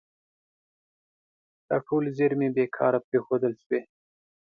دا ټولې زیرمې بې کاره پرېښودل شوي.